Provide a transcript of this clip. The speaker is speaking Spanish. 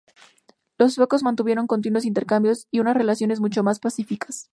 Los suecos mantuvieron continuos intercambios y unas relaciones mucho más pacíficas.